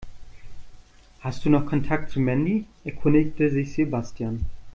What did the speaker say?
Hast du noch Kontakt zu Mandy?, erkundigte sich Sebastian.